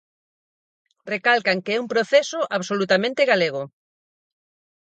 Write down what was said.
Recalcan que é un proceso "absolutamente galego".